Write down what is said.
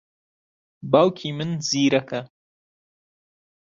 باوکی من زیرەکە.